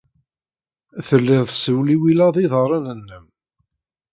Telliḍ tessewliwileḍ iḍarren-nnem.